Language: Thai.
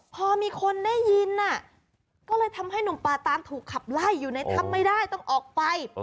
พอมีคนได้ยินก็เลยทำให้หนุ่มปาตานถูกขับไล่อยู่ในถ้ำไม่ได้ต้องออกไป